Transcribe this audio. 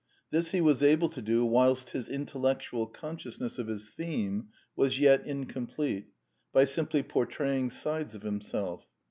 This he was able to do whilst his intellectual consciousness of his theme was yet incomplete, by simply portraying sides of himself.